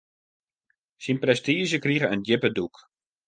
Syn prestiizje krige in djippe dûk.